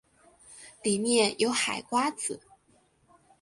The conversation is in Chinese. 里面有海瓜子